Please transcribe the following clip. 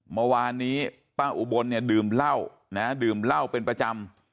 เมื่อวานนี้ป้าอุบลดื่มเหล้าเป็นประจำ